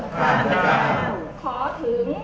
ข้าพเจ้าขอถึง